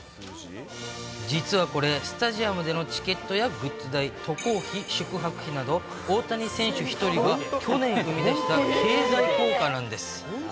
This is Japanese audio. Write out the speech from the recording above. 実はこれ、スタジアムでのチケットやグッズ代、渡航費、宿泊費など、大谷選手１人が去年生み出した経済効果なんです。